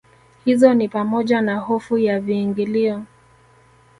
hizo ni pamoja na hofu ya viingilio